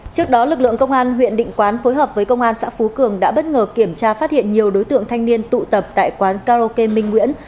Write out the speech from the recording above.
trước đó lực lượng công an huyện định quán phối hợp với công an xã phú cường đã bất ngờ kiểm tra phát hiện nhiều đối tượng thanh niên tụ tập tại quán karaoke minh nguyễn